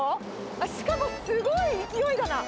しかもすごい勢いだな。